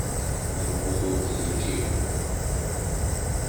Yemmut ur d-yeǧǧi.